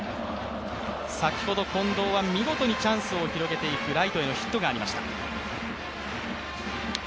先ほど近藤は見事にチャンスを広げていくライトへのヒットがありました。